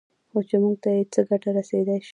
خو چې موږ ته یې څه ګټه رسېدای شي